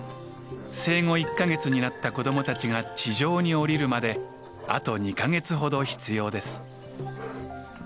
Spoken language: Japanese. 生後１か月になった子どもたちが地上に下りるまであと２か月ほど必要です。